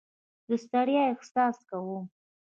د ستړیا احساس کوم.